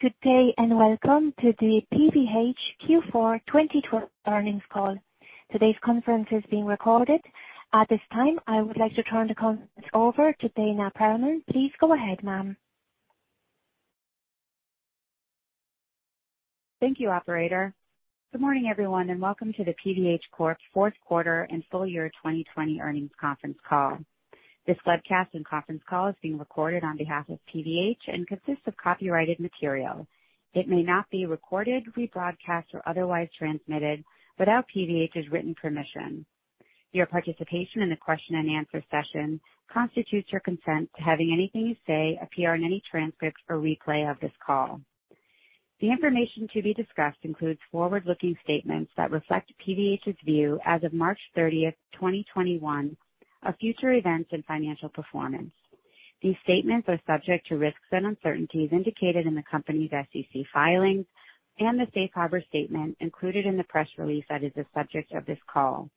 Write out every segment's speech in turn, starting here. Good day, and welcome to the PVH Q4 2021 earnings call. Today's conference is being recorded. At this time, I would like to turn the conference over to Dana Perlman. Please go ahead, ma'am. Thank you, operator. Good morning, everyone, and welcome to the PVH Corp fourth quarter and full year 2020 earnings conference call. This webcast and conference call is being recorded on behalf of PVH and consists of copyrighted material. It may not be recorded, rebroadcast, or otherwise transmitted without PVH's written permission. Your participation in the question-and-answer session constitutes your consent to having anything you say appear in any transcripts or replay of this call. The information to be discussed includes forward-looking statements that reflect PVH's view as of March 30th, 2021, of future events and financial performance. These statements are subject to risks and uncertainties indicated in the company's SEC filings and the safe harbor statement included in the press release that is the subject of this call.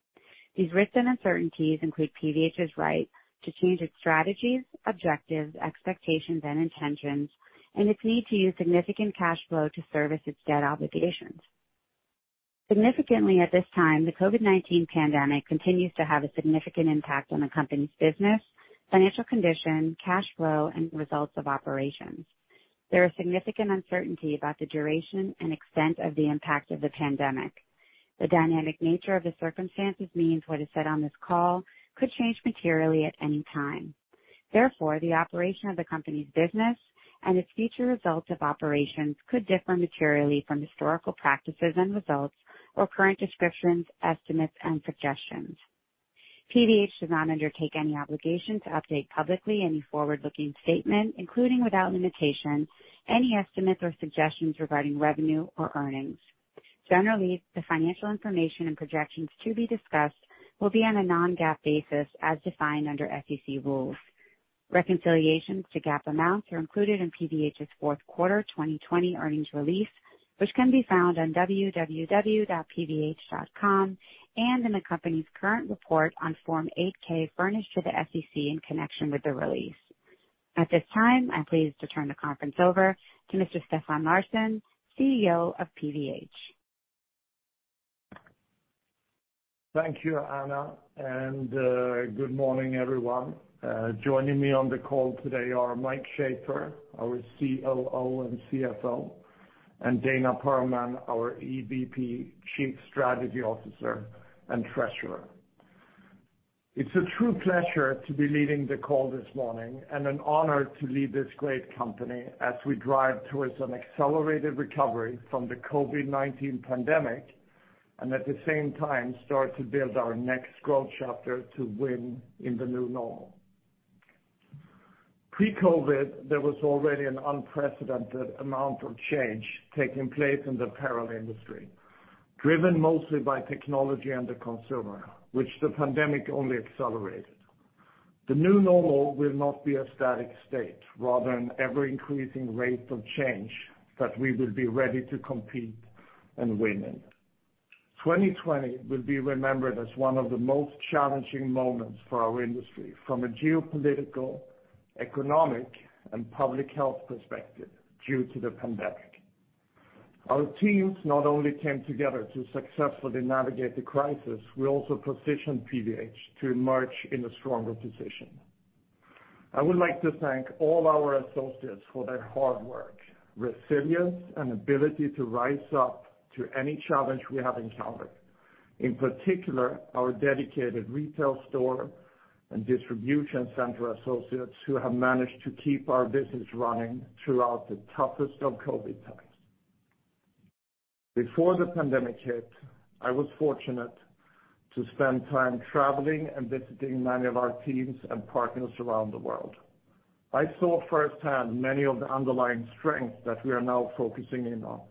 These risks and uncertainties include PVH's right to change its strategies, objectives, expectations, and intentions, and its need to use significant cash flow to service its debt obligations. Significantly, at this time, the COVID-19 pandemic continues to have a significant impact on the company's business, financial condition, cash flow, and results of operations. There is significant uncertainty about the duration and extent of the impact of the pandemic. The dynamic nature of the circumstances means what is said on this call could change materially at any time. Therefore, the operation of the company's business and its future results of operations could differ materially from historical practices and results or current descriptions, estimates, and suggestions. PVH does not undertake any obligation to update publicly any forward-looking statement, including, without limitation, any estimates or suggestions regarding revenue or earnings. Generally, the financial information and projections to be discussed will be on a non-GAAP basis as defined under SEC rules. Reconciliations to GAAP amounts are included in PVH's fourth quarter 2020 earnings release, which can be found on www.pvh.com and in the company's current report on Form 8-K furnished to the SEC in connection with the release. At this time, I'm pleased to turn the conference over to Mr. Stefan Larsson, CEO of PVH. Thank you, Dana, good morning, everyone. Joining me on the call today are Mike Shaffer, our COO and CFO, and Dana Perlman, our EVP, Chief Strategy Officer, and Treasurer. It's a true pleasure to be leading the call this morning and an honor to lead this great company as we drive towards an accelerated recovery from the COVID-19 pandemic and, at the same time, start to build our next growth chapter to win in the new normal. Pre-COVID, there was already an unprecedented amount of change taking place in the apparel industry, driven mostly by technology and the consumer, which the pandemic only accelerated. The new normal will not be a static state. Rather, an ever-increasing rate of change that we will be ready to compete and win in. 2020 will be remembered as one of the most challenging moments for our industry from a geopolitical, economic, and public health perspective due to the pandemic. Our teams not only came together to successfully navigate the crisis, we also positioned PVH to emerge in a stronger position. I would like to thank all our associates for their hard work, resilience, and ability to rise up to any challenge we have encountered. In particular, our dedicated retail store and distribution center associates who have managed to keep our business running throughout the toughest of COVID times. Before the pandemic hit, I was fortunate to spend time traveling and visiting many of our teams and partners around the world. I saw firsthand many of the underlying strengths that we are now focusing in on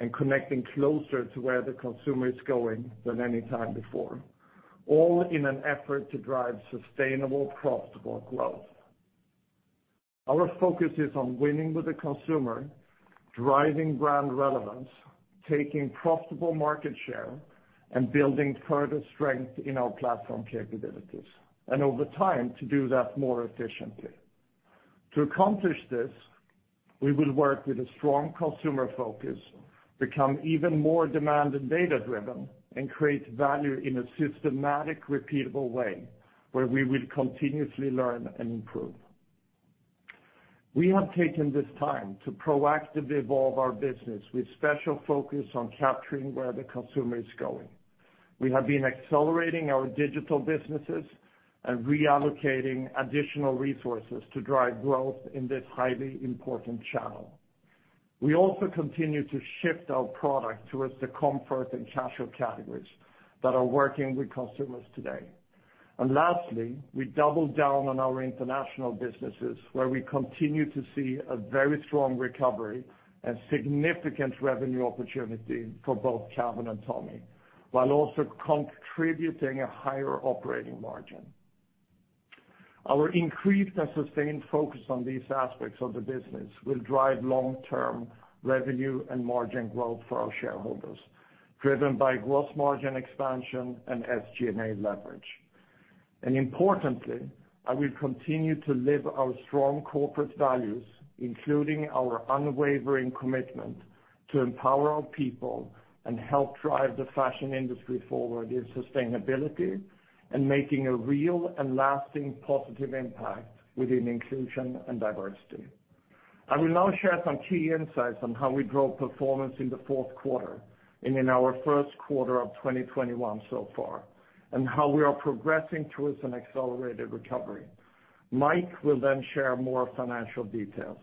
and connecting closer to where the consumer is going than any time before, all in an effort to drive sustainable, profitable growth. Our focus is on winning with the consumer, driving brand relevance, taking profitable market share, and building further strength in our platform capabilities, and over time, to do that more efficiently. To accomplish this, we will work with a strong consumer focus, become even more demand and data-driven, and create value in a systematic, repeatable way, where we will continuously learn and improve. We have taken this time to proactively evolve our business with special focus on capturing where the consumer is going. We have been accelerating our digital businesses and reallocating additional resources to drive growth in this highly important channel. We also continue to shift our product towards the comfort and casual categories that are working with consumers today. Lastly, we doubled down on our International businesses, where we continue to see a very strong recovery and significant revenue opportunity for both Calvin and Tommy, while also contributing a higher operating margin. Our increased and sustained focus on these aspects of the business will drive long-term revenue and margin growth for our shareholders, driven by gross margin expansion and SG&A leverage. Importantly, I will continue to live our strong corporate values, including our unwavering commitment to empower our people and help drive the fashion industry forward in sustainability, and making a real and lasting positive impact within inclusion and diversity. I will now share some key insights on how we drove performance in the fourth quarter and in our first quarter of 2021 so far, and how we are progressing towards an accelerated recovery. Mike will then share more financial details.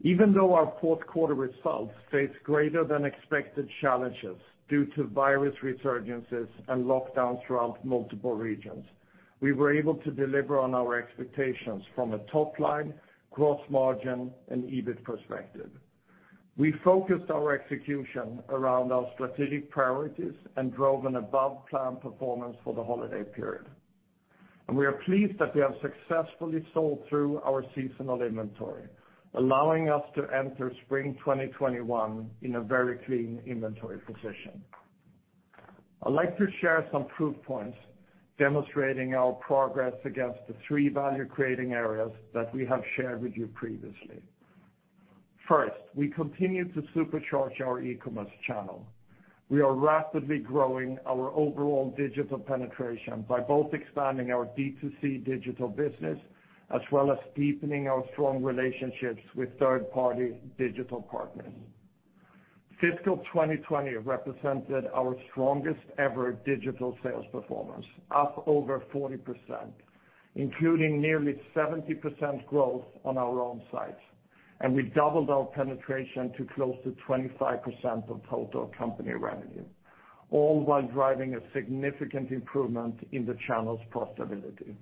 Even though our fourth quarter results faced greater than expected challenges due to virus resurgences and lockdowns throughout multiple regions, we were able to deliver on our expectations from a top line, gross margin, and EBIT perspective. We focused our execution around our strategic priorities and drove an above-plan performance for the holiday period. We are pleased that we have successfully sold through our seasonal inventory, allowing us to enter Spring 2021 in a very clean inventory position. I'd like to share some proof points demonstrating our progress against the three value-creating areas that we have shared with you previously. First, we continue to supercharge our e-commerce channel. We are rapidly growing our overall digital penetration by both expanding our D2C digital business, as well as deepening our strong relationships with third-party digital partners. Fiscal 2020 represented our strongest ever digital sales performance, up over 40%, including nearly 70% growth on our own sites, and we doubled our penetration to close to 25% of total company revenue, all while driving a significant improvement in the channel's profitability.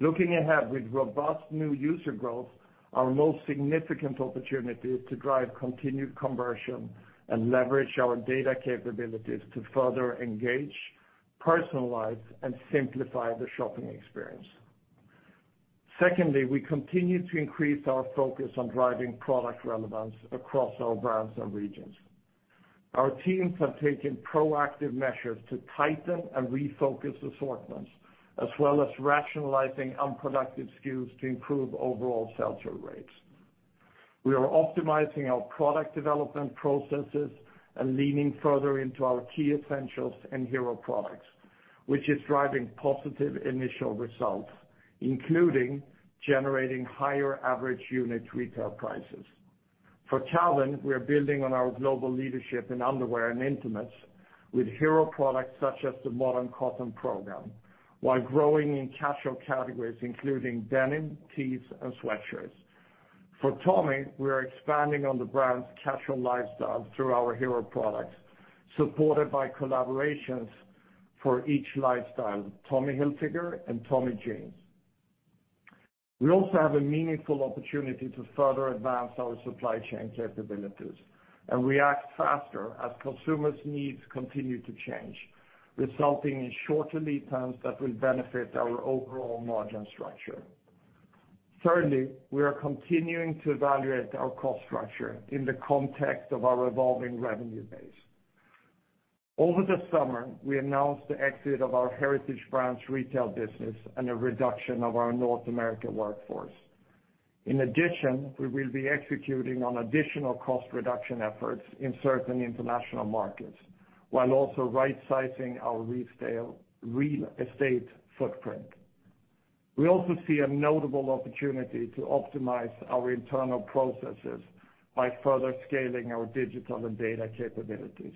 Looking ahead, with robust new user growth, our most significant opportunity is to drive continued conversion and leverage our data capabilities to further engage, personalize, and simplify the shopping experience. Secondly, we continue to increase our focus on driving product relevance across all brands and regions. Our teams have taken proactive measures to tighten and refocus assortments, as well as rationalizing unproductive SKUs to improve overall sell-through rates. We are optimizing our product development processes and leaning further into our key essentials and hero products, which is driving positive initial results, including generating higher average unit retail prices. For Calvin, we are building on our global leadership in underwear and intimates with hero products such as the Modern Cotton program, while growing in casual categories including denim, tees, and sweatshirts. For Tommy, we are expanding on the brand's casual lifestyle through our hero products, supported by collaborations for each lifestyle, Tommy Hilfiger and Tommy Jeans. We also have a meaningful opportunity to further advance our supply chain capabilities and react faster as consumers' needs continue to change, resulting in shorter lead times that will benefit our overall margin structure. Thirdly, we are continuing to evaluate our cost structure in the context of our evolving revenue base. Over the summer, we announced the exit of our Heritage Brands retail business and a reduction of our North American workforce. In addition, we will be executing on additional cost reduction efforts in certain international markets, while also right-sizing our real estate footprint. We also see a notable opportunity to optimize our internal processes by further scaling our digital and data capabilities.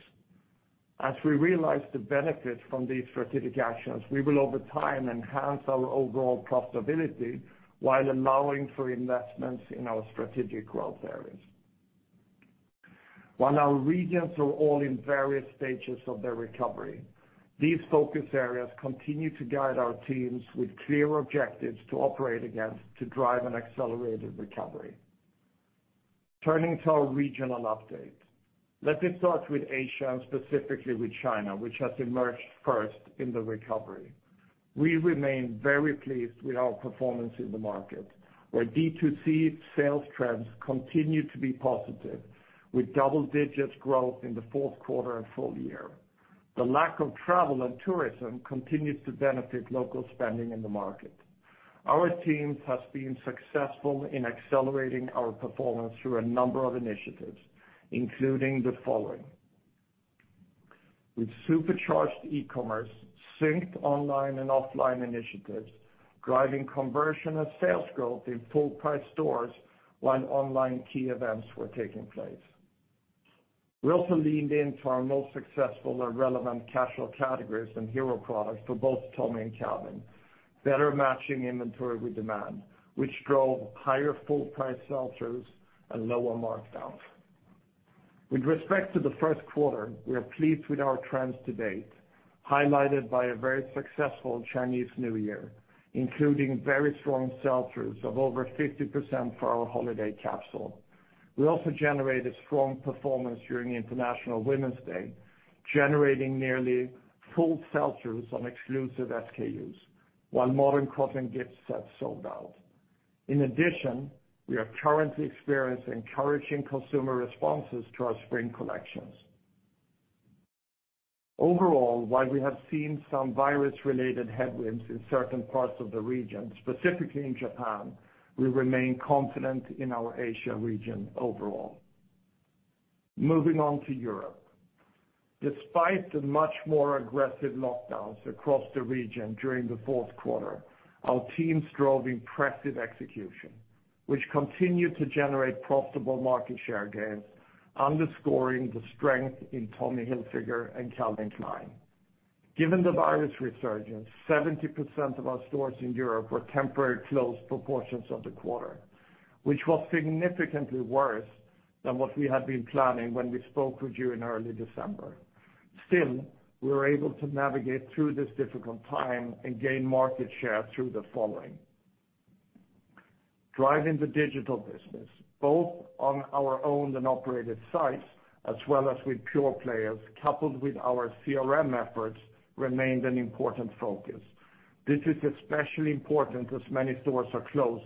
As we realize the benefits from these strategic actions, we will, over time, enhance our overall profitability while allowing for investments in our strategic growth areas. While our regions are all in various stages of their recovery, these focus areas continue to guide our teams with clear objectives to operate against to drive an accelerated recovery. Turning to our regional update. Let me start with Asia, and specifically with China, which has emerged first in the recovery. We remain very pleased with our performance in the market, where D2C sales trends continue to be positive, with double-digits growth in the fourth quarter and full year. The lack of travel and tourism continues to benefit local spending in the market. Our teams have been successful in accelerating our performance through a number of initiatives, including the following. With supercharged e-commerce, synced online and offline initiatives, driving conversion and sales growth in full price stores while online key events were taking place. We also leaned into our most successful and relevant casual categories and hero products for both Tommy and Calvin, better matching inventory with demand, which drove higher full price sell-throughs and lower markdowns. With respect to the first quarter, we are pleased with our trends to date, highlighted by a very successful Chinese New Year, including very strong sell-throughs of over 50% for our holiday capsule. We also generated strong performance during International Women's Day, generating nearly full sell-throughs on exclusive SKUs, while Modern Cotton gift sets sold out. In addition, we are currently experiencing encouraging consumer responses to our spring collections. Overall, while we have seen some virus related headwinds in certain parts of the region, specifically in Japan, we remain confident in our Asia region overall. Moving on to Europe. Despite the much more aggressive lockdowns across the region during the fourth quarter, our teams drove impressive execution, which continued to generate profitable market share gains, underscoring the strength in Tommy Hilfiger and Calvin Klein. Given the virus resurgence, 70% of our stores in Europe were temporarily closed for portions of the quarter, which was significantly worse than what we had been planning when we spoke with you in early December. Still, we were able to navigate through this difficult time and gain market share through the following. Driving the digital business, both on our owned and operated sites, as well as with pure players, coupled with our CRM efforts, remained an important focus. This is especially important as many stores are closed,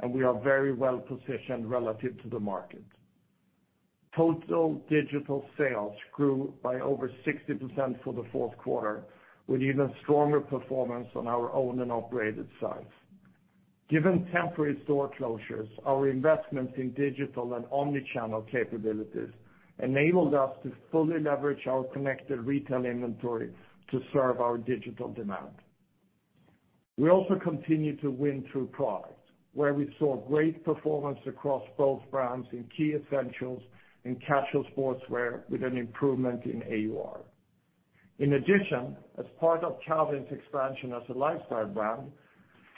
and we are very well positioned relative to the market. Total digital sales grew by over 60% for the fourth quarter, with even stronger performance on our owned and operated sites. Given temporary store closures, our investments in digital and omnichannel capabilities enabled us to fully leverage our connected retail inventory to serve our digital demand. We also continue to win through product, where we saw great performance across both brands in key essentials and casual sportswear with an improvement in AUR. In addition, as part of Calvin's expansion as a lifestyle brand,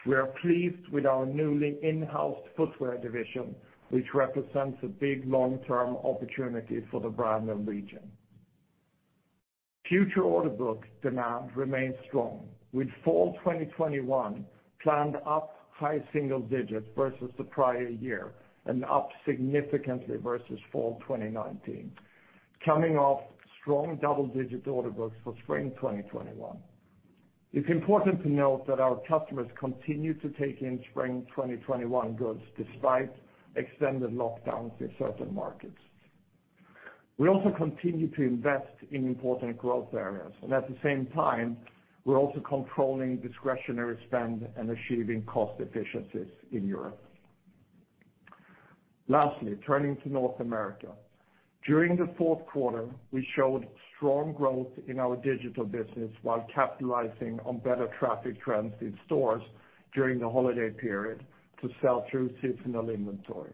we are pleased with our newly in-house footwear division, which represents a big long-term opportunity for the brand and region. Future order book demand remains strong, with fall 2021 planned up high single-digits versus the prior year, and up significantly versus fall 2019, coming off strong double-digit order books for Spring 2021. It's important to note that our customers continue to take in Spring 2021 goods despite extended lockdowns in certain markets. We also continue to invest in important growth areas, and at the same time, we're also controlling discretionary spend and achieving cost efficiencies in Europe. Lastly, turning to North America. During the fourth quarter, we showed strong growth in our digital business while capitalizing on better traffic trends in stores during the holiday period to sell through seasonal inventory.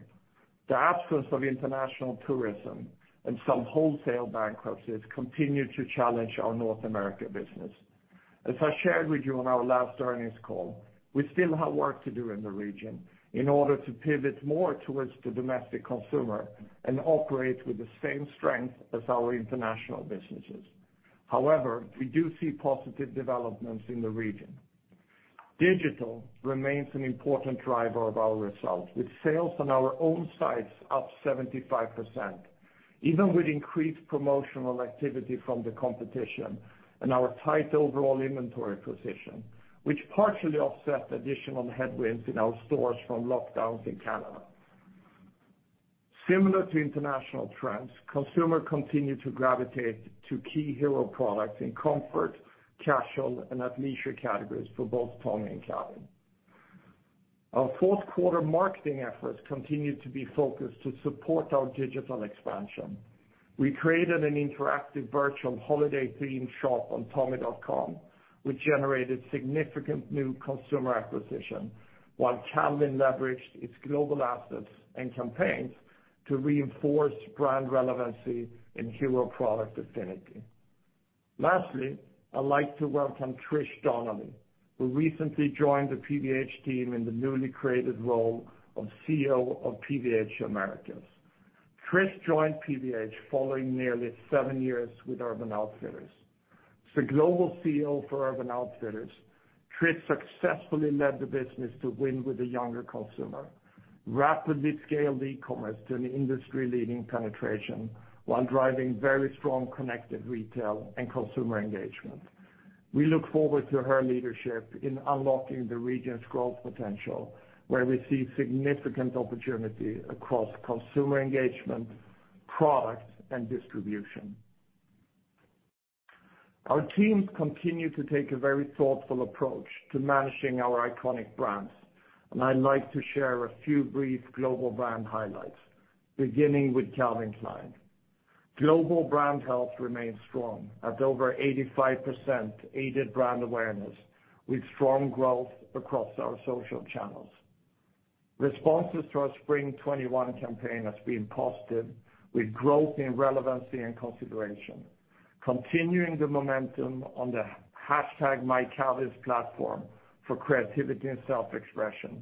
The absence of international tourism and some wholesale bankruptcies continued to challenge our North America business. As I shared with you on our last earnings call, we still have work to do in the region in order to pivot more towards the domestic consumer and operate with the same strength as our International businesses. However, we do see positive developments in the region. Digital remains an important driver of our results, with sales on our own sites up 75%, even with increased promotional activity from the competition and our tight overall inventory position, which partially offset additional headwinds in our stores from lockdowns in Canada. Similar to international trends, consumers continue to gravitate to key hero products in comfort, casual, and athleisure categories for both Tommy and Calvin. Our fourth quarter marketing efforts continued to be focused to support our digital expansion. We created an interactive virtual holiday theme shop on tommy.com, which generated significant new consumer acquisition, while Calvin leveraged its global assets and campaigns to reinforce brand relevancy and hero product affinity. Lastly, I'd like to welcome Trish Donnelly, who recently joined the PVH team in the newly created role of CEO of PVH Americas. Trish joined PVH following nearly seven years with Urban Outfitters. As the Global CEO for Urban Outfitters, Trish successfully led the business to win with the younger consumer, rapidly scaled e-commerce to an industry leading penetration while driving very strong connected retail and consumer engagement. We look forward to her leadership in unlocking the region's growth potential, where we see significant opportunity across consumer engagement, product, and distribution. Our teams continue to take a very thoughtful approach to managing our iconic brands, and I'd like to share a few brief global brand highlights, beginning with Calvin Klein. Global brand health remains strong at over 85% aided brand awareness with strong growth across our social channels. Responses to our Spring 2021 campaign has been positive with growth in relevancy and consideration. Continuing the momentum on the #mycalvins platform for creativity and self-expression,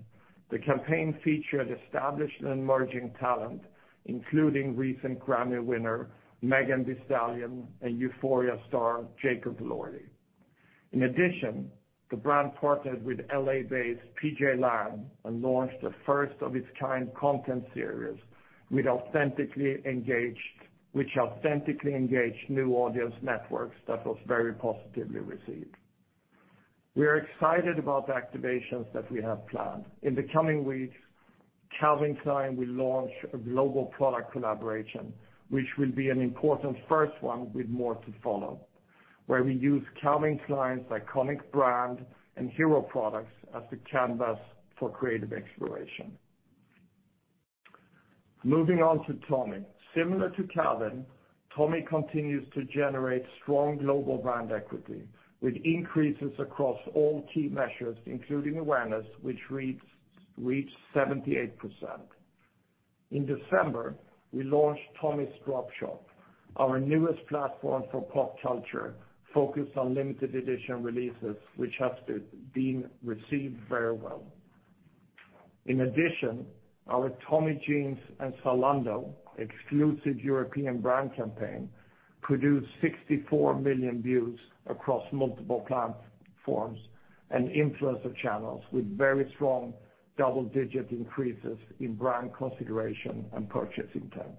the campaign featured established and emerging talent, including recent Grammy winner, Megan Thee Stallion and Euphoria star Jacob Elordi. In addition, the brand partnered with L.A. based pgLang and launched a first-of-its-kind content series which authentically engaged new audience networks that was very positively received. We are excited about the activations that we have planned. In the coming weeks, Calvin Klein will launch a global product collaboration, which will be an important first one with more to follow, where we use Calvin Klein's iconic brand and hero products as the canvas for creative exploration. Moving on to Tommy. Similar to Calvin, Tommy continues to generate strong global brand equity with increases across all key measures, including awareness, which reached 78%. In December, we launched Tommy's Drop Shop, our newest platform for pop culture focused on limited edition releases, which has been received very well. In addition, our Tommy Jeans and Zalando exclusive European brand campaign produced 64 million views across multiple platforms and influencer channels with very strong double-digit increases in brand consideration and purchase intent.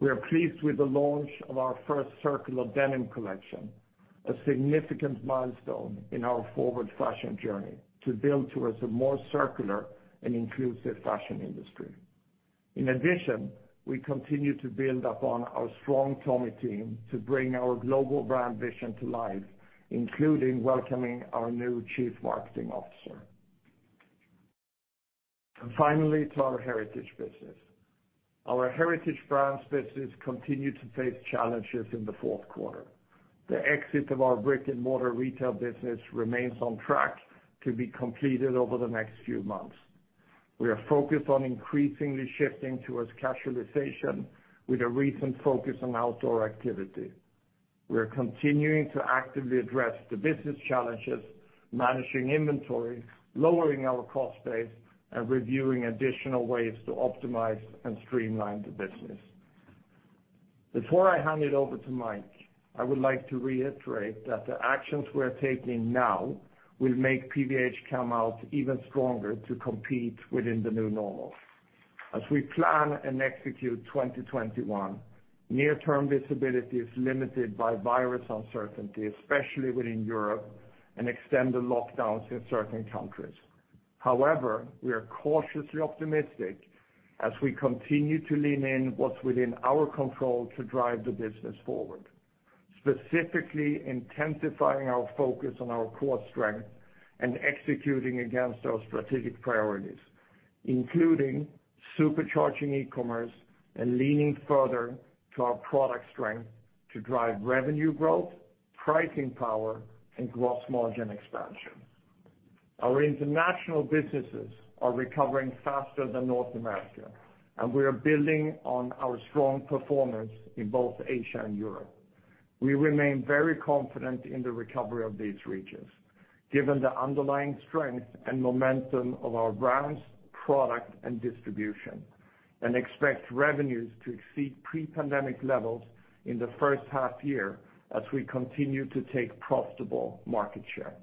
We are pleased with the launch of our first circular denim collection, a significant milestone in our Forward Fashion journey to build towards a more circular and inclusive fashion industry. In addition, we continue to build upon our strong Tommy team to bring our global brand vision to life, including welcoming our new Chief Marketing Officer. Finally, to our Heritage business. Our Heritage Brands business continued to face challenges in the fourth quarter. The exit of our brick-and-mortar retail business remains on track to be completed over the next few months. We are focused on increasingly shifting towards casualization with a recent focus on outdoor activity. We are continuing to actively address the business challenges, managing inventory, lowering our cost base, and reviewing additional ways to optimize and streamline the business. Before I hand it over to Mike, I would like to reiterate that the actions we are taking now will make PVH come out even stronger to compete within the new normal. As we plan and execute 2021, near-term visibility is limited by virus uncertainty, especially within Europe and extended lockdowns in certain countries. However, we are cautiously optimistic as we continue to lean in what's within our control to drive the business forward, specifically intensifying our focus on our core strength and executing against our strategic priorities, including supercharging e-commerce and leaning further to our product strength to drive revenue growth, pricing power, and gross margin expansion. Our International businesses are recovering faster than North America, and we are building on our strong performance in both Asia and Europe. We remain very confident in the recovery of these regions, given the underlying strength and momentum of our brands, product, and distribution, and expect revenues to exceed pre-pandemic levels in the first half year as we continue to take profitable market share.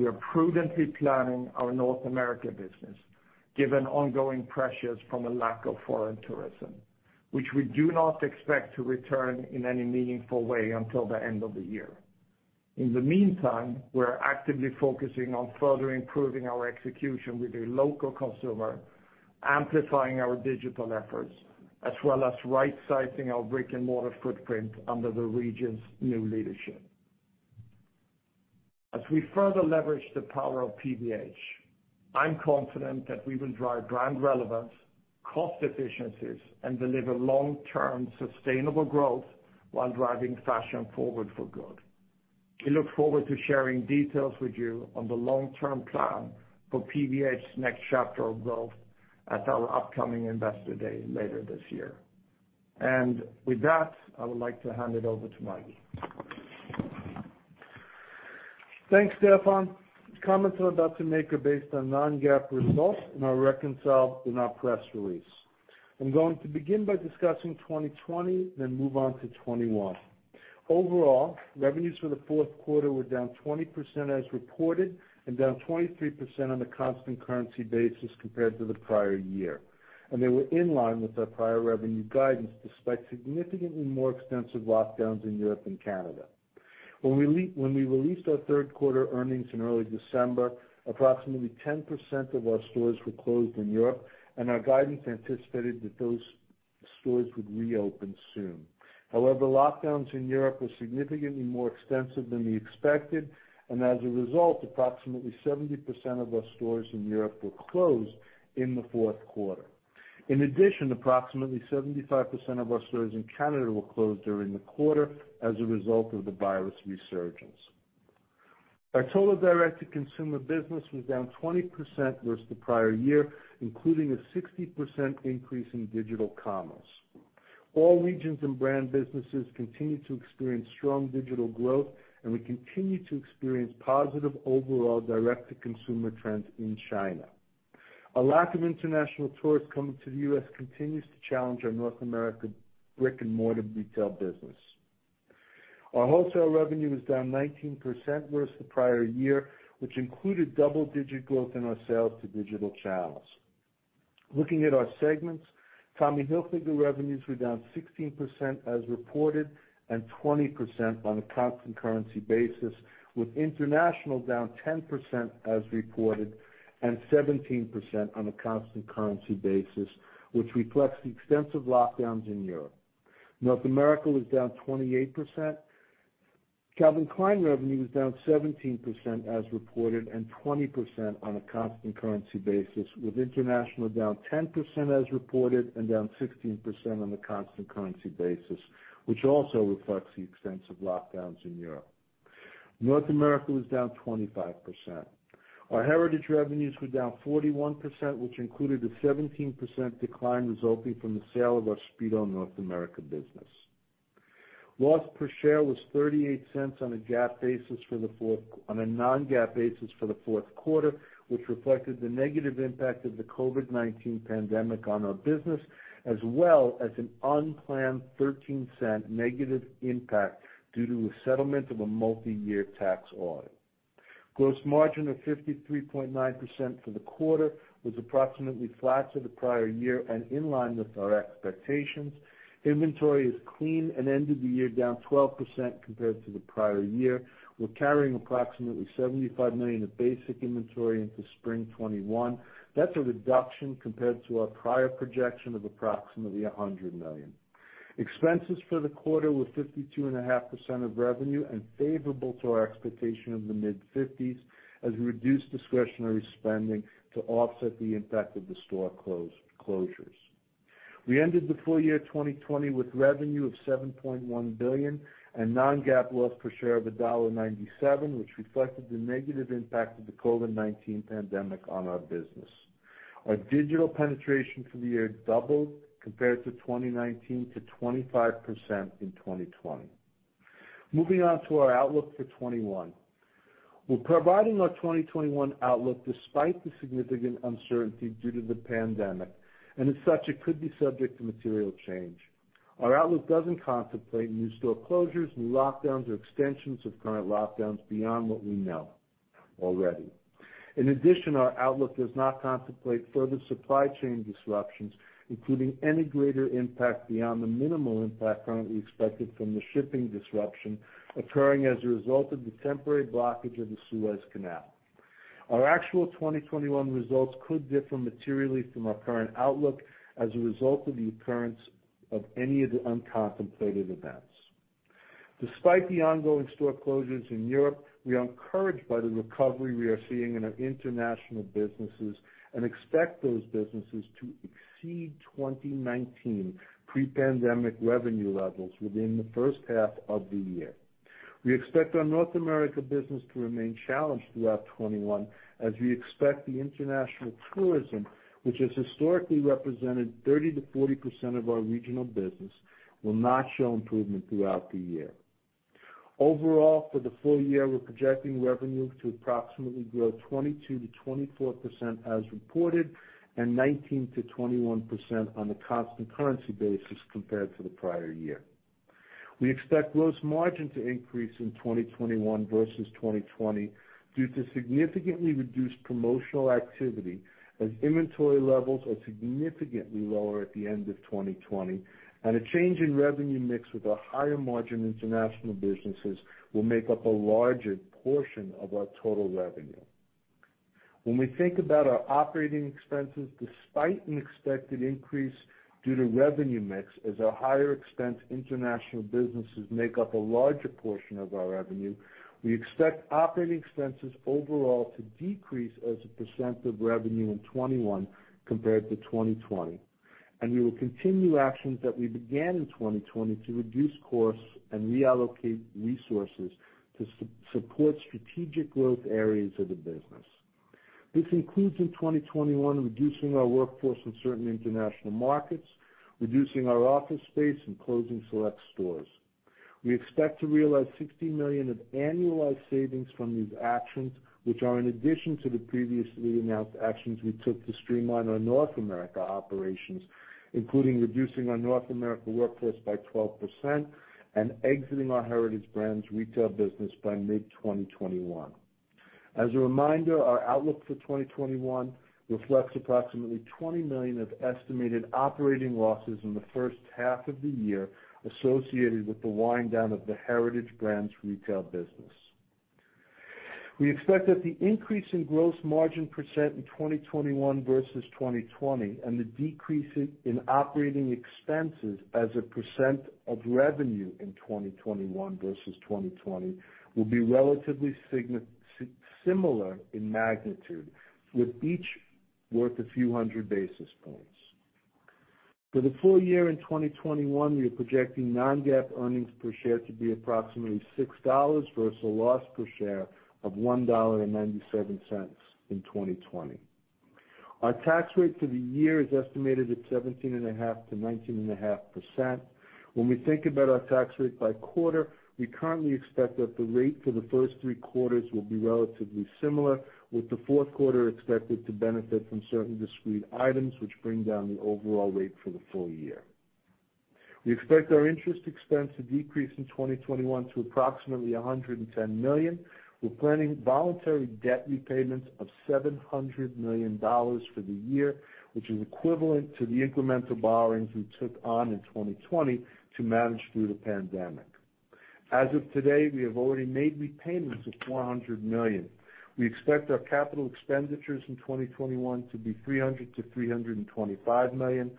We are prudently planning our North America business, given ongoing pressures from a lack of foreign tourism, which we do not expect to return in any meaningful way until the end of the year. In the meantime, we are actively focusing on further improving our execution with the local consumer, amplifying our digital efforts, as well as right-sizing our brick-and-mortar footprint under the region's new leadership. As we further leverage the power of PVH, I'm confident that we will drive brand relevance, cost efficiencies, and deliver long-term sustainable growth while driving fashion forward for good. We look forward to sharing details with you on the long-term plan for PVH's next chapter of growth at our upcoming Investor Day later this year. With that, I would like to hand it over to Mike. Thanks, Stefan. Comments I'm about to make are based on non-GAAP results and are reconciled in our press release. I'm going to begin by discussing 2020, then move on to 2021. Overall, revenues for the fourth quarter were down 20% as reported and down 23% on a constant currency basis compared to the prior year, and they were in line with our prior revenue guidance, despite significantly more extensive lockdowns in Europe and Canada. When we released our third quarter earnings in early December, approximately 10% of our stores were closed in Europe, and our guidance anticipated that those stores would reopen soon. However, lockdowns in Europe were significantly more extensive than we expected, and as a result, approximately 70% of our stores in Europe were closed in the fourth quarter. In addition, approximately 75% of our stores in Canada were closed during the quarter as a result of the virus resurgence. Our total direct-to-consumer business was down 20% versus the prior year, including a 60% increase in digital commerce. All regions and brand businesses continued to experience strong digital growth, and we continue to experience positive overall direct-to-consumer trends in China. A lack of international tourists coming to the U.S. continues to challenge our North America brick-and-mortar retail business. Our wholesale revenue was down 19% versus the prior year, which included double-digit growth in our sales to digital channels. Looking at our segments, Tommy Hilfiger revenues were down 16% as reported, and 20% on a constant currency basis, with International down 10% as reported, and 17% on a constant currency basis, which reflects the extensive lockdowns in Europe. North America was down 28%. Calvin Klein revenue was down 17% as reported, and 20% on a constant currency basis, with International down 10% as reported, and down 16% on a constant currency basis, which also reflects the extensive lockdowns in Europe. North America was down 25%. Our Heritage revenues were down 41%, which included a 17% decline resulting from the sale of our Speedo North America business. Loss per share was $0.38 on a non-GAAP basis for the fourth quarter, which reflected the negative impact of the COVID-19 pandemic on our business, as well as an unplanned $0.13 negative impact due to a settlement of a multi-year tax audit. Gross margin of 53.9% for the quarter was approximately flat to the prior year and in line with our expectations. Inventory is clean and ended the year down 12% compared to the prior year. We're carrying approximately $75 million of basic inventory into Spring 2021. That's a reduction compared to our prior projection of approximately $100 million. Expenses for the quarter were 52.5% of revenue and favorable to our expectation of the mid-50s as we reduced discretionary spending to offset the impact of the store closures. We ended the full year 2020 with revenue of $7.1 billion and non-GAAP loss per share of $1.97, which reflected the negative impact of the COVID-19 pandemic on our business. Our digital penetration for the year doubled compared to 2019 to 25% in 2020. Moving on to our outlook for 2021. We're providing our 2021 outlook despite the significant uncertainty due to the pandemic, and as such, it could be subject to material change. Our outlook doesn't contemplate new store closures, new lockdowns, or extensions of current lockdowns beyond what we know already. Our outlook does not contemplate further supply chain disruptions, including any greater impact beyond the minimal impact currently expected from the shipping disruption occurring as a result of the temporary blockage of the Suez Canal. Our actual 2021 results could differ materially from our current outlook as a result of the occurrence of any of the uncontemplated events. Despite the ongoing store closures in Europe, we are encouraged by the recovery we are seeing in our International businesses and expect those businesses to exceed 2019 pre-pandemic revenue levels within the first half of the year. We expect our North America business to remain challenged throughout 2021, as we expect the international tourism, which has historically represented 30%-40% of our regional business, will not show improvement throughout the year. Overall, for the full year, we're projecting revenue to approximately grow 22% to 24% as reported, and 19% to 21% on a constant currency basis compared to the prior year. We expect gross margin to increase in 2021 versus 2020 due to significantly reduced promotional activity as inventory levels are significantly lower at the end of 2020, and a change in revenue mix with our higher margin International businesses will make up a larger portion of our total revenue. When we think about our operating expenses, despite an expected increase due to revenue mix as our higher expense International businesses make up a larger portion of our revenue, we expect operating expenses overall to decrease as a percent of revenue in 2021 compared to 2020. We will continue actions that we began in 2020 to reduce costs and reallocate resources to support strategic growth areas of the business. This includes in 2021, reducing our workforce in certain international markets, reducing our office space, and closing select stores. We expect to realize $60 million of annualized savings from these actions, which are in addition to the previously announced actions we took to streamline our North America operations, including reducing our North America workforce by 12% and exiting our Heritage Brands retail business by mid-2021. As a reminder, our outlook for 2021 reflects approximately $20 million of estimated operating losses in the first half of the year associated with the wind-down of the Heritage Brands retail business. We expect that the increase in gross margin percent in 2021 versus 2020, and the decrease in operating expenses as a percent of revenue in 2021 versus 2020 will be relatively similar in magnitude, with each worth a few hundred basis points. For the full year in 2021, we are projecting non-GAAP earnings per share to be approximately $6 versus a loss per share of $1.97 in 2020. Our tax rate for the year is estimated at 17.5%-19.5%. When we think about our tax rate by quarter, we currently expect that the rate for the first three quarters will be relatively similar, with the fourth quarter expected to benefit from certain discrete items which bring down the overall rate for the full year. We expect our interest expense to decrease in 2021 to approximately $110 million. We're planning voluntary debt repayments of $700 million for the year, which is equivalent to the incremental borrowings we took on in 2020 to manage through the pandemic. As of today, we have already made repayments of $400 million. We expect our capital expenditures in 2021 to be $300 million-$325 million,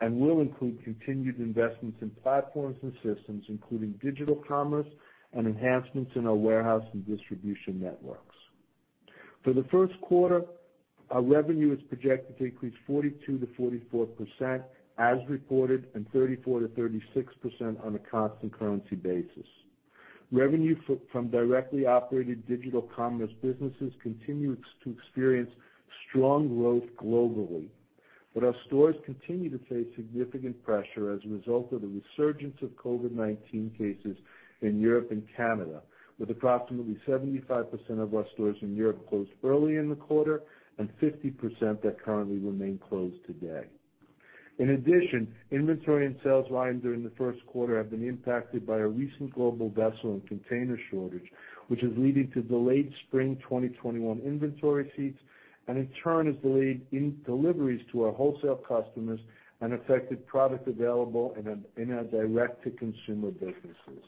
and will include continued investments in platforms and systems, including digital commerce and enhancements in our warehouse and distribution networks. For the first quarter, our revenue is projected to increase 42% to 44% as reported, and 34% to 36% on a constant currency basis. Revenue from directly operated digital commerce businesses continues to experience strong growth globally. Our stores continue to face significant pressure as a result of the resurgence of COVID-19 cases in Europe and Canada, with approximately 75% of our stores in Europe closed early in the quarter and 50% that currently remain closed today. In addition, inventory and sales volumes during the first quarter have been impacted by a recent global vessel and container shortage, which is leading to delayed Spring 2021 inventory receipts, and in turn has delayed deliveries to our wholesale customers and affected product available in our direct-to-consumer businesses.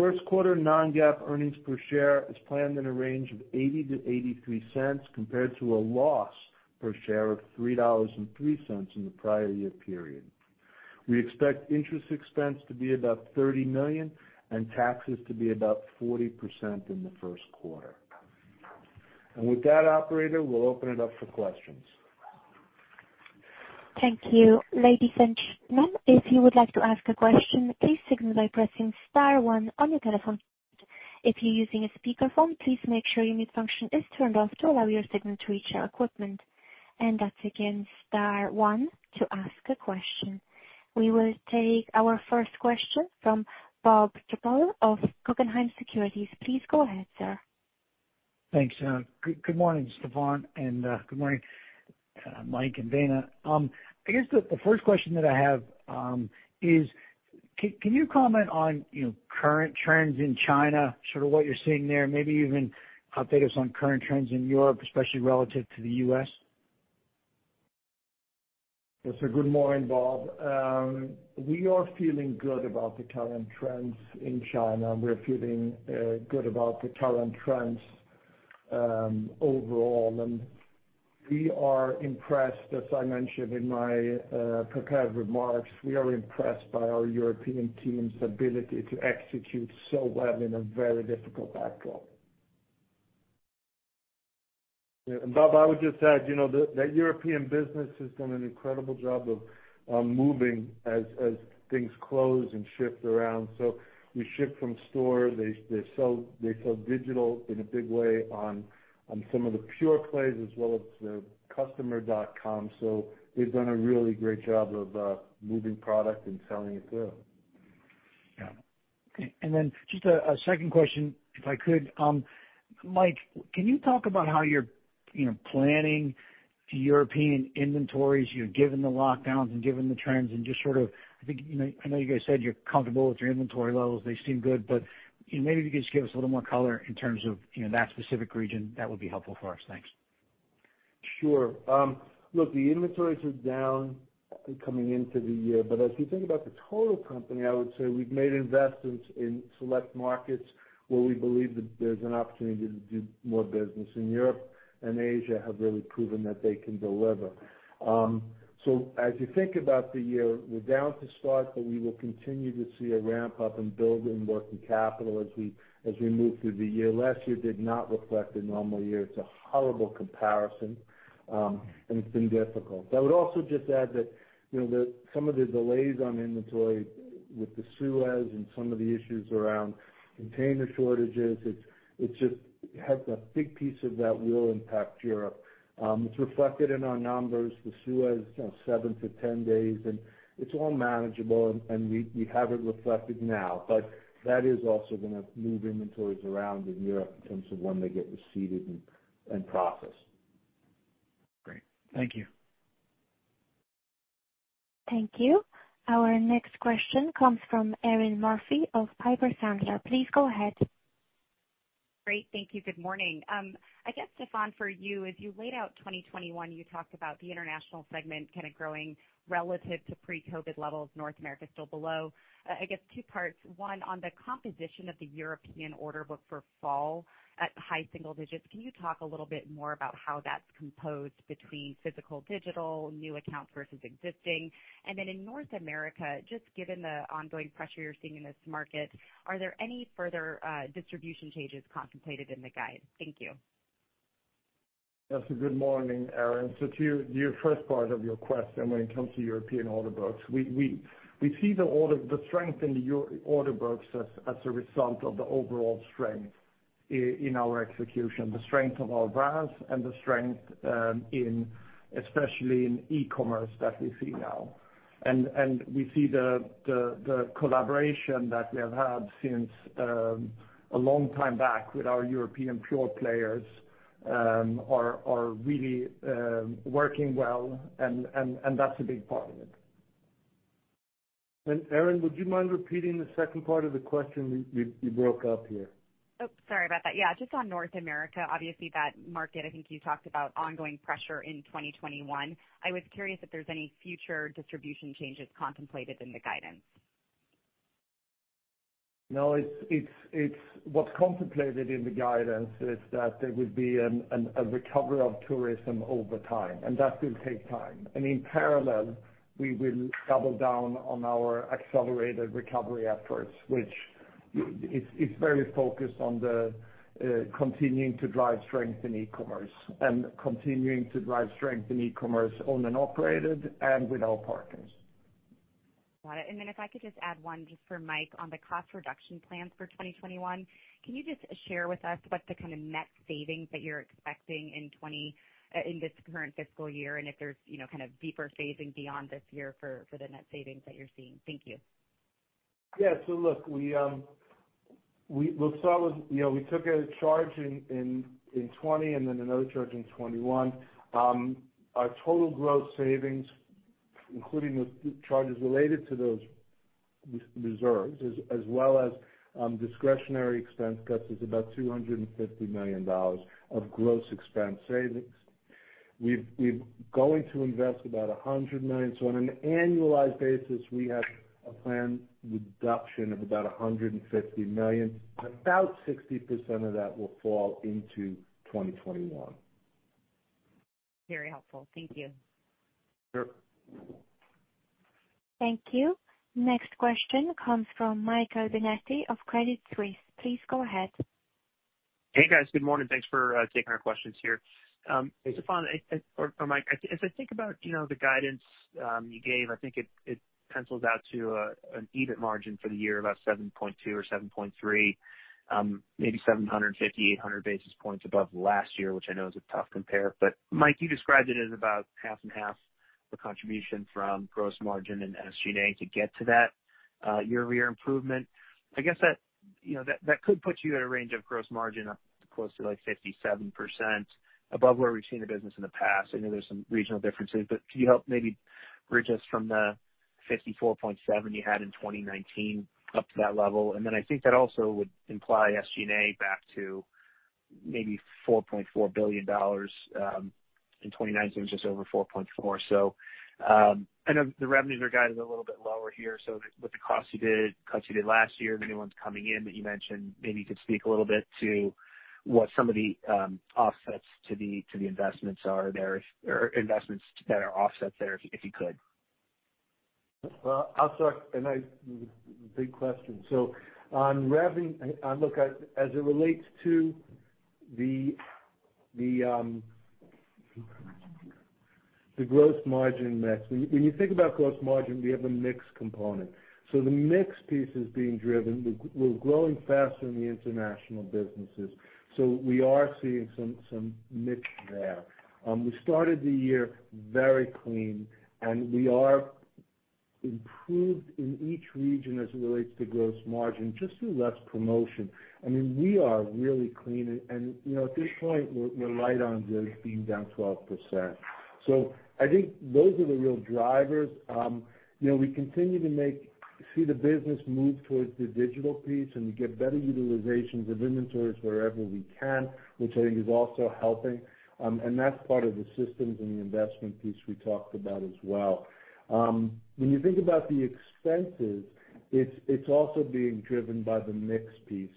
First quarter non-GAAP earnings per share is planned in a range of $0.80-$0.83 compared to a loss per share of $3.03 in the prior year period. We expect interest expense to be about $30 million and taxes to be about 40% in the first quarter. With that operator, we'll open it up for questions. Thank you. Ladies and gentlemen, if you would like to ask a question, please signal by pressing star one on your telephone. If you're using a speakerphone, please make sure your mute function is turned off to allow your signal to reach our equipment. That's again, star one to ask a question. We will take our first question from Bob Drbul of Guggenheim Securities. Please go ahead, sir. Thanks. Good morning, Stefan, and good morning, Mike and Dana. I guess the first question that I have is, can you comment on current trends in China, sort of what you're seeing there, and maybe even update us on current trends in Europe, especially relative to the U.S.? Yes, sir. Good morning, Bob. We are feeling good about the current trends in China. We're feeling good about the current trends overall, and we are impressed, as I mentioned in my prepared remarks, we are impressed by our European team's ability to execute so well in a very difficult backdrop. Yeah. Bob, I would just add, the European business has done an incredible job of moving as things close and shift around. We ship from store. They sell digital in a big way on some of the pure plays as well as the customer.com, so they've done a really great job of moving product and selling it through. Yeah. Okay. Just a second question, if I could. Mike, can you talk about how you're planning European inventories, given the lockdowns and given the trends and just sort of, I think, I know you guys said you're comfortable with your inventory levels. They seem good, but maybe if you could just give us a little more color in terms of that specific region. That would be helpful for us. Thanks. Sure. Look, the inventories are down coming into the year. As you think about the total company, I would say we've made investments in select markets where we believe that there's an opportunity to do more business in Europe and Asia have really proven that they can deliver. As you think about the year, we're down to start, but we will continue to see a ramp up and build in working capital as we move through the year. Last year did not reflect a normal year. It's a horrible comparison, and it's been difficult. I would also just add that some of the delays on inventory with the Suez and some of the issues around container shortages, it just has a big piece of that will impact Europe. It's reflected in our numbers, the Suez, seven to 10 days, and it's all manageable, and we have it reflected now. That is also going to move inventories around in Europe in terms of when they get received and processed. Great. Thank you. Thank you. Our next question comes from Erinn Murphy of Piper Sandler. Please go ahead. Great. Thank you. Good morning. I guess, Stefan, for you, as you laid out 2021, you talked about the International segment kind of growing relative to pre-COVID levels, North America still below. I guess two parts. One, on the composition of the European order book for fall at high single-digits, can you talk a little bit more about how that's composed between physical, digital, new accounts versus existing? In North America, just given the ongoing pressure you're seeing in this market, are there any further distribution changes contemplated in the guide? Thank you. Yes. Good morning, Erinn. To your first part of your question when it comes to European order books, we see the strength in the order books as a result of the overall strength in our execution, the strength of our brands and the strength especially in e-commerce that we see now. We see the collaboration that we have had since a long time back with our European pure players are really working well, and that's a big part of it. Erinn, would you mind repeating the second part of the question? You broke up here. Oh, sorry about that. Yeah, just on North America, obviously that market, I think you talked about ongoing pressure in 2021. I was curious if there's any future distribution changes contemplated in the guidance. No, what's contemplated in the guidance is that there would be a recovery of tourism over time, and that will take time. In parallel, we will double down on our accelerated recovery efforts, which is very focused on the continuing to drive strength in e-commerce, and continuing to drive strength in e-commerce owned and operated and with our partners. Got it. if I could just add one just for Mike on the cost reduction plans for 2021. Can you just share with us what's the kind of net savings that you're expecting in this current fiscal year, and if there's kind of deeper phasing beyond this year for the net savings that you're seeing? Thank you. Yeah. Look, we took a charge in 2020 and then another charge in 2021. Our total gross savings, including the charges related to those reserves, as well as discretionary expense cuts, is about $250 million of gross expense savings. We're going to invest about $100 million. On an annualized basis, we have a planned reduction of about $150 million, about 60% of that will fall into 2021. Very helpful. Thank you. Sure. Thank you. Next question comes from Michael Binetti of Credit Suisse. Please go ahead. Hey, guys. Good morning. Thanks for taking our questions here. Hey, Stefan. For Mike, as I think about the guidance you gave, I think it pencils out to an EBIT margin for the year about 7.2% or 7.3%, maybe 750, 800 basis points above last year, which I know is a tough compare. Mike, you described it as about half and half the contribution from gross margin and SG&A to get to that year-over-year improvement. I guess that could put you at a range of gross margin up close to 57%, above where we've seen the business in the past. I know there's some regional differences, but can you help maybe bridge us from the 54.7% you had in 2019 up to that level? I think that also would imply SG&A back to maybe $4.4 billion. In 2019, it was just over $4.4 billion. I know the revenues are guided a little bit lower here. With the cuts you did last year, the new ones coming in that you mentioned, maybe you could speak a little bit to what some of the offsets to the investments are there or investments that are offset there, if you could? Well, I'll start. A nice big question. On revenue, look, as it relates to the gross margin mix, when you think about gross margin, we have a mix component. The mix piece is being driven. We're growing faster in the International businesses. We are seeing some mix there. We started the year very clean, and we are improved in each region as it relates to gross margin, just through less promotion. I mean, we are really clean and, at this point, we're light on this being down 12%. I think those are the real drivers. We continue to see the business move towards the digital piece, and we get better utilizations of inventories wherever we can, which I think is also helping. That's part of the systems and the investment piece we talked about as well. When you think about the expenses, it's also being driven by the mix piece.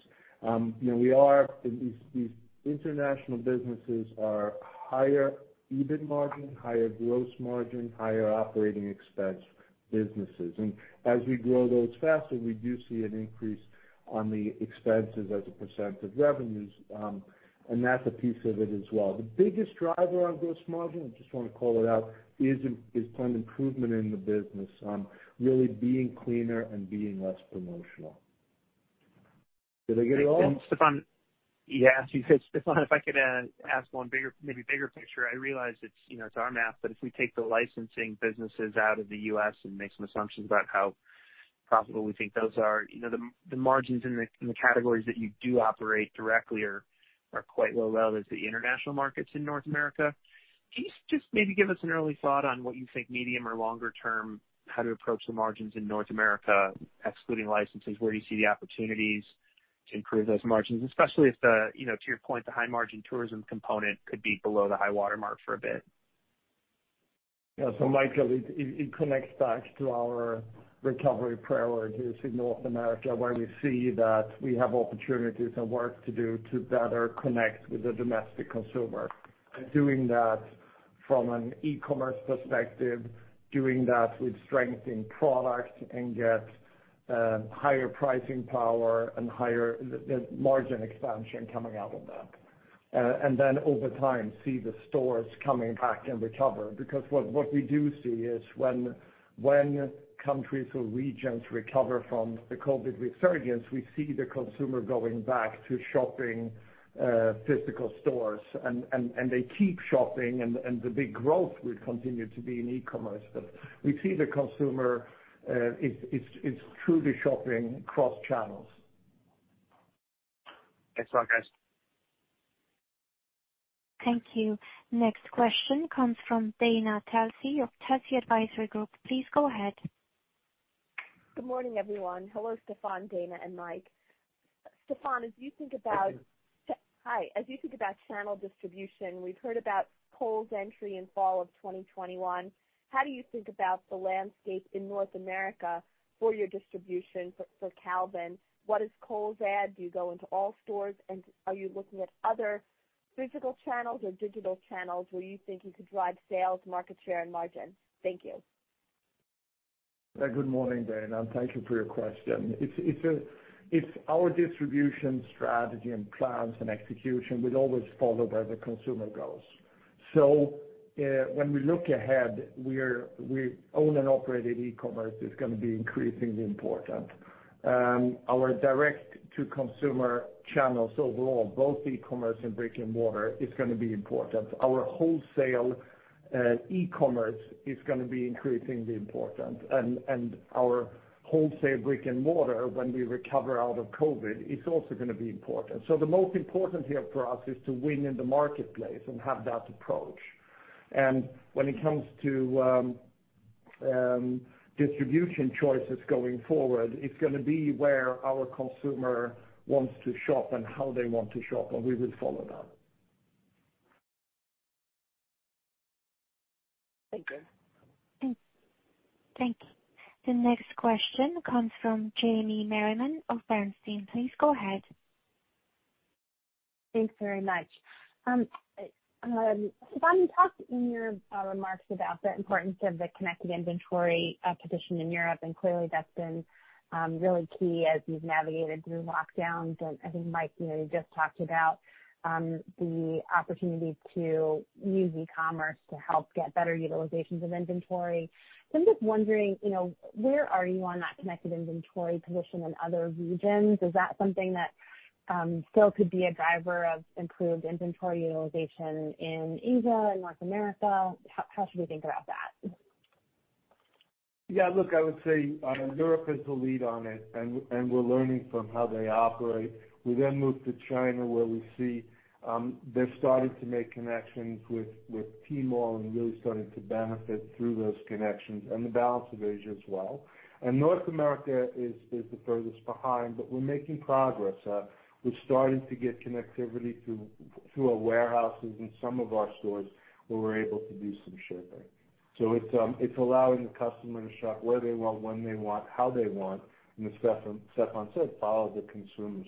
These International businesses are higher EBIT margin, higher gross margin, higher operating expense businesses. as we grow those faster, we do see an increase on the expenses as a percent of revenues. that's a piece of it as well. The biggest driver on gross margin, I just want to call it out, is some improvement in the business on really being cleaner and being less promotional. Did I get it all? And Stefan? Yeah. Stefan, if I could ask one maybe bigger picture, I realize it's our math, but if we take the licensing businesses out of the U.S. and make some assumptions about how profitable we think those are, the margins in the categories that you do operate directly are quite low relative to the international markets in North America. Can you just maybe give us an early thought on what you think medium or longer term, how to approach the margins in North America, excluding licenses? Where do you see the opportunities to improve those margins, especially if the, to your point, the high margin tourism component could be below the high water mark for a bit? Yeah. Michael, it connects back to our recovery priorities in North America, where we see that we have opportunities and work to do to better connect with the domestic consumer. Doing that from an e-commerce perspective, doing that with strength in product and get higher pricing power and higher margin expansion coming out of that. Over time, see the stores coming back and recover. Because what we do see is when countries or regions recover from the COVID resurgence, we see the consumer going back to shopping physical stores, and they keep shopping, and the big growth will continue to be in e-commerce. We see the consumer is truly shopping cross-channels. Thanks a lot, guys. Thank you. Next question comes from Dana Telsey of Telsey Advisory Group. Please go ahead. Good morning, everyone. Hello, Stefan, Dana, and Mike. Stefan, as you think about— Yeah. Hi. As you think about channel distribution, we've heard about Kohl's entry in Fall of 2021. How do you think about the landscape in North America for your distribution for Calvin? What is Kohl's add? Do you go into all stores, and are you looking at other physical channels or digital channels where you think you could drive sales, market share, and margin? Thank you. Good morning, Dana, and thank you for your question. It's our distribution strategy and plans and execution, we always follow where the consumer goes. When we look ahead, our own and operated e-commerce is going to be increasingly important. Our direct-to-consumer channels overall, both e-commerce and brick-and-mortar, is going to be important. Our wholesale e-commerce is going to be increasingly important, and our wholesale brick-and-mortar, when we recover out of COVID, is also going to be important. The most important here for us is to win in the marketplace and have that approach. When it comes to distribution choices going forward, it's going to be where our consumer wants to shop and how they want to shop, and we will follow that. Thank you. Thank you. The next question comes from Jamie Merriman of Bernstein. Please go ahead. Thanks very much. Stefan, you talked in your remarks about the importance of the connected inventory position in Europe, and clearly that's been really key as you've navigated through lockdowns. I think, Mike, you just talked about the opportunity to use e-commerce to help get better utilizations of inventory. I'm just wondering, where are you on that connected inventory position in other regions? Is that something that still could be a driver of improved inventory utilization in Asia and North America? How should we think about that? Yeah, look, I would say Europe is the lead on it, and we're learning from how they operate. We then move to China, where we see they're starting to make connections with Tmall and really starting to benefit through those connections and the balance of Asia as well. North America is the furthest behind, but we're making progress. We're starting to get connectivity through our warehouses in some of our stores where we're able to do some shipping. It's allowing the customer to shop where they want, when they want, how they want. As Stefan said, follow the consumer.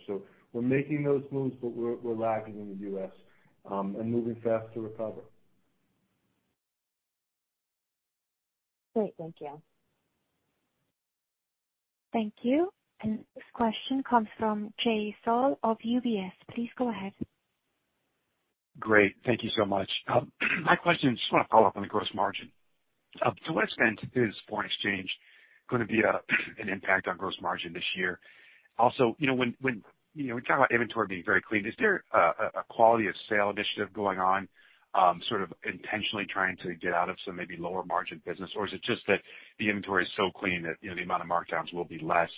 We're making those moves, but we're lagging in the U.S. and moving fast to recover. Great. Thank you. Thank you. The next question comes from Jay Sole of UBS. Please go ahead. Great. Thank you so much. My question, just want to follow up on the gross margin. To what extent is foreign exchange going to be an impact on gross margin this year? When we talk about inventory being very clean, is there a quality-of-sale initiative going on, sort of intentionally trying to get out of some maybe lower margin business? Or is it just that the inventory is so clean that the amount of markdowns will be less?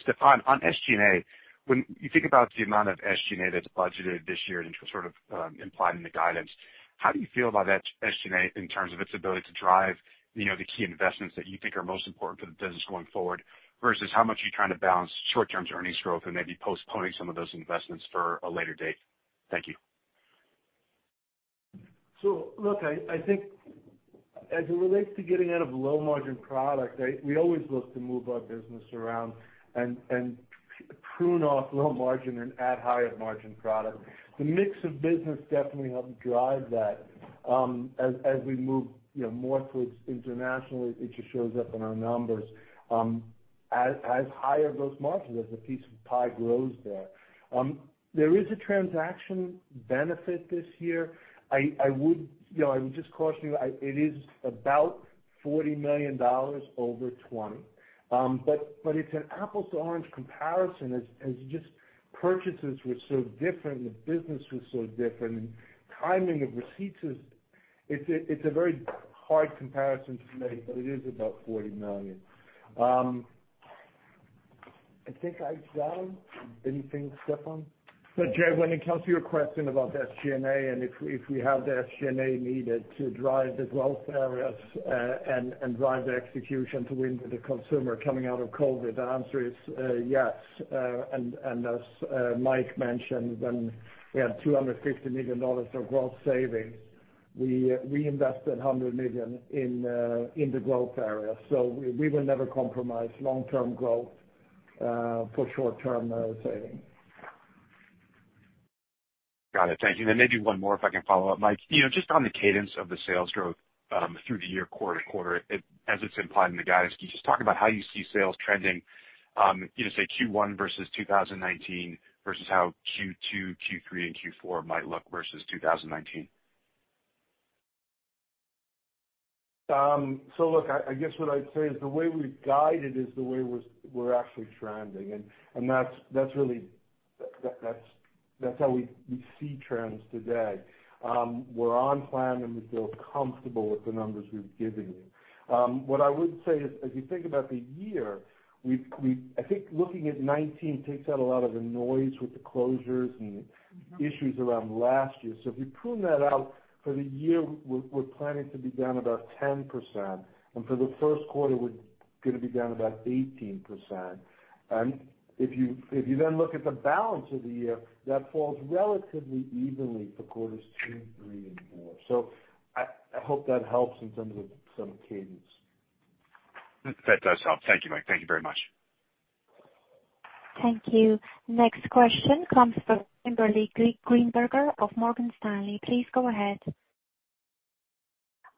Stefan, on SG&A, when you think about the amount of SG&A that's budgeted this year and sort of implied in the guidance, how do you feel about that SG&A in terms of its ability to drive the key investments that you think are most important for the business going forward? Versus how much are you trying to balance short-term earnings growth and maybe postponing some of those investments for a later date? Thank you. Look, I think as it relates to getting out of low-margin product, we always look to move our business around and prune off low margin and add higher margin product. The mix of business definitely helped drive that. As we move more towards internationally, it just shows up in our numbers as higher gross margin as the piece of pie grows there. There is a transaction benefit this year. I would just caution you, it is about $40 million over 2020. It's an apples to orange comparison as just purchases were so different, the business was so different, and timing of receipts. It's a very hard comparison to make, but it is about $40 million. I think I got them. Anything, Stefan? Jay, when it comes to your question about the SG&A and if we have the SG&A needed to drive the growth areas and drive the execution to win with the consumer coming out of COVID, the answer is yes. As Mike mentioned, when we had $250 million of gross savings, we invested $100 million in the growth area. We will never compromise long-term growth for short-term savings. Got it. Thank you. Maybe one more, if I can follow up, Mike. Just on the cadence of the sales growth through the year quarter-to-quarter, as it's implied in the guidance, can you just talk about how you see sales trending, say, Q1 versus 2019 versus how Q2, Q3, and Q4 might look versus 2019? Look, I guess what I'd say is the way we've guided is the way we're actually trending, and that's really, that's how we see trends today. We're on plan, and we feel comfortable with the numbers we've given you. What I would say is, as you think about the year, I think looking at 2019 takes out a lot of the noise with the closures and issues around last year. If you prune that out for the year, we're planning to be down about 10%, and for the first quarter, we're going to be down about 18%. If you then look at the balance of the year, that falls relatively evenly for quarters two, three, and four. I hope that helps in terms of some cadence. That does help. Thank you, Mike. Thank you very much. Thank you. Next question comes from Kimberly Greenberger of Morgan Stanley. Please go ahead.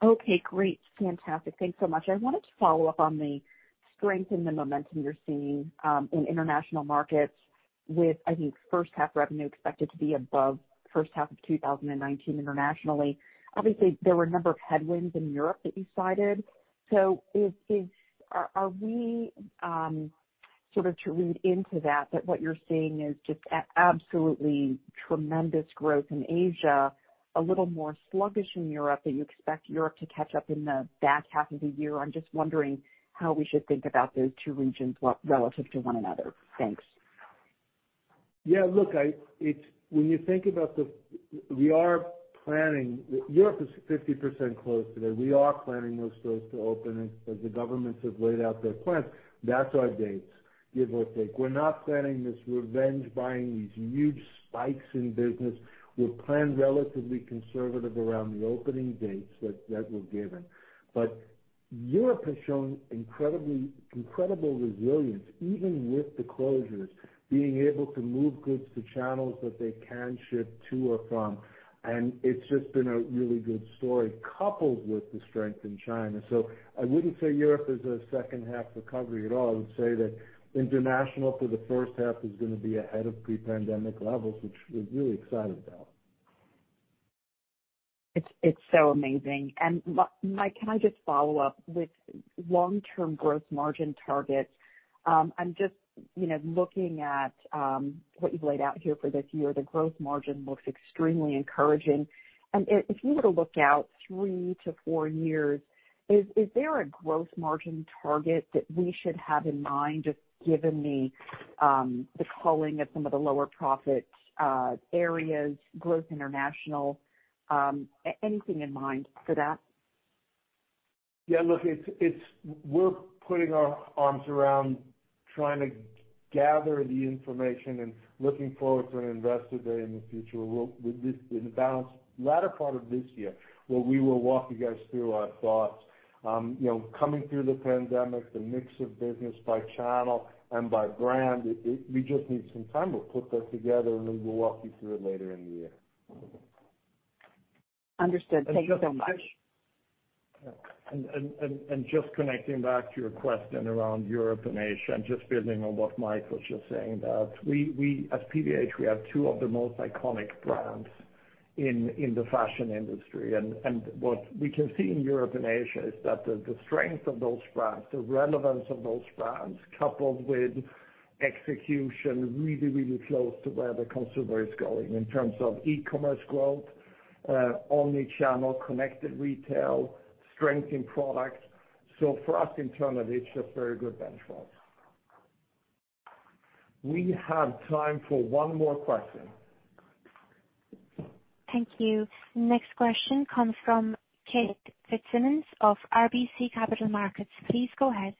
Okay, great. Fantastic. Thanks so much. I wanted to follow up on the strength and the momentum you're seeing in international markets with, I think, first half revenue expected to be above the first half of 2019 internationally. Obviously, there were a number of headwinds in Europe that you cited. Are we sort of to read into that what you're seeing is just absolutely tremendous growth in Asia, a little more sluggish in Europe, and you expect Europe to catch up in the back half of the year? I'm just wondering how we should think about those two regions relative to one another. Thanks. Yeah, look, Europe is 50% closed today. We are planning those stores to open as the governments have laid out their plans. That's our dates, give or take. We're not planning this revenge buying, these huge spikes in business. We've planned relatively conservative around the opening dates that were given. Europe has shown incredible resilience, even with the closures, being able to move goods to channels that they can ship to or from. It's just been a really good story, coupled with the strength in China. I wouldn't say Europe is a second half recovery at all. I would say that international for the first half is going to be ahead of pre-pandemic levels, which we're really excited about. It's so amazing. Mike, can I just follow up with long-term gross margin targets? I'm just looking at what you've laid out here for this year. The gross margin looks extremely encouraging. If you were to look out three to four years, is there a gross margin target that we should have in mind, just given the culling of some of the lower profit areas, growth international? Anything in mind for that? Yeah, look, we're putting our arms around trying to gather the information and looking forward to an Investor Day in the future. In the latter part of this year, where we will walk you guys through our thoughts. Coming through the pandemic, the mix of business by channel and by brand, we just need some time. We'll put that together, and we will walk you through it later in the year. Understood. Thank you so much. Just connecting back to your question around Europe and Asia, and just building on what Mike was just saying, that at PVH, we have two of the most iconic brands in the fashion industry. What we can see in Europe and Asia is that the strength of those brands, the relevance of those brands, coupled with execution, really, really close to where the consumer is going in terms of e-commerce growth, omnichannel, connected retail, strength in products. For us internally, it's a very good benchmark. We have time for one more question. Thank you. Next question comes from Kate Fitzsimons of RBC Capital Markets. Please go ahead.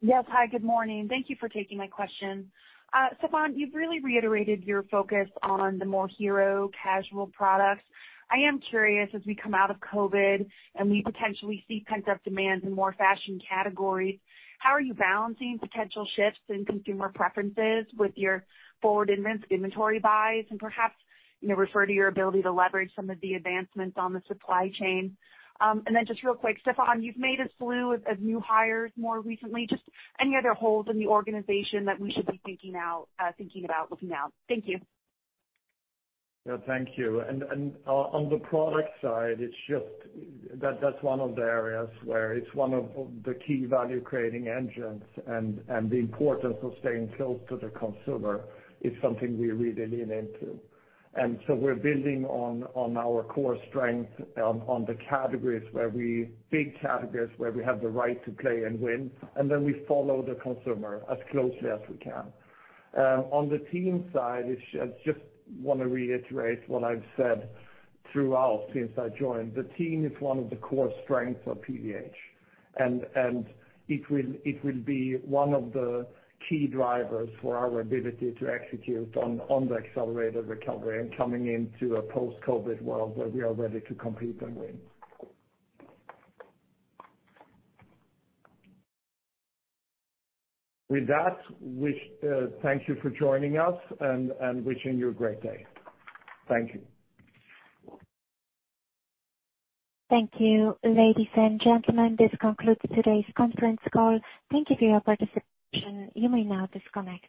Yes. Hi, good morning. Thank you for taking my question. Stefan, you've really reiterated your focus on the more hero casual products. I am curious, as we come out of COVID, and we potentially see pent-up demands in more fashion categories, how are you balancing potential shifts in consumer preferences with your forward inventory buys? Perhaps, refer to your ability to leverage some of the advancements on the supply chain. Just real quick, Stefan, you've made a slew of new hires more recently. Just any other holes in the organization that we should be thinking about looking out? Thank you. Yeah, thank you. On the product side, that's one of the areas where it's one of the key value-creating engines, and the importance of staying close to the consumer is something we really lean into. We're building on our core strength on the big categories where we have the right to play and win, and then we follow the consumer as closely as we can. On the team side, I just want to reiterate what I've said throughout since I joined. The team is one of the core strengths of PVH, and it will be one of the key drivers for our ability to execute on the accelerated recovery and coming into a post-COVID world where we are ready to compete and win. With that, thank you for joining us, and wishing you a great day. Thank you. Thank you, ladies and gentlemen. This concludes today's conference call. Thank you for your participation. You may now disconnect.